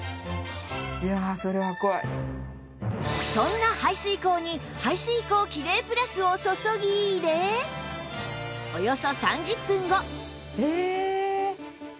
そんな排水口に排水口キレイプラスを注ぎ入れおよそ３０分後